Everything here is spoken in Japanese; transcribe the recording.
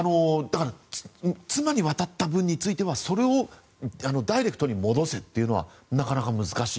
妻に渡った分についてはそれをダイレクトに戻せっていうのはなかなか難しい。